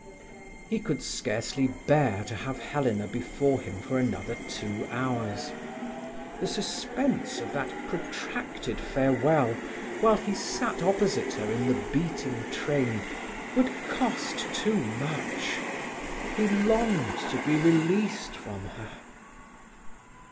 He could scarcely bear to have Helena before him for another two hours. The suspense of that protracted farewell, while he sat opposite her in the beating train, would cost too much. He longed to be released from her.